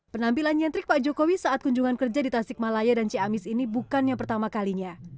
penampilan nyentrik pak jokowi saat kunjungan kerja di tasikmalaya dan ciamis ini bukan yang pertama kalinya